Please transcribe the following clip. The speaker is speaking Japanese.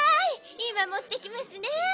いまもってきますね。